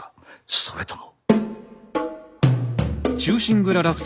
それとも。